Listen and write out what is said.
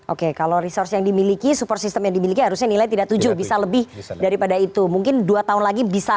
oke kalau resource yang dimiliki support system yang dimiliki harusnya nilai tidak tujuh bisa lebih daripada itu mungkin dua tahun lagi bisa